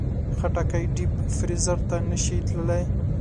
خټکی ډیپ فریزر ته نه شي تللی.